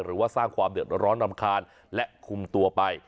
หรือว่าสร้างความเดือดร้อนรำคาญและคุมตัวไป